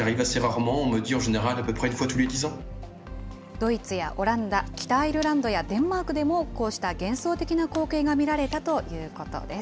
ドイツやオランダ、北アイルランドやデンマークでもこうした幻想的な光景が見られたということです。